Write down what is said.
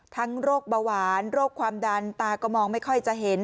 โรคเบาหวานโรคความดันตาก็มองไม่ค่อยจะเห็น